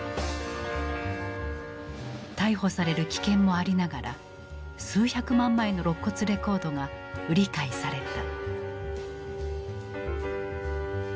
逮捕される危険もありながら数百万枚のろっ骨レコードが売り買いされた。